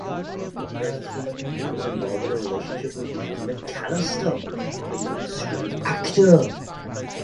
Eythe was involved in a relationship with Lon McCallister, a young screen actor.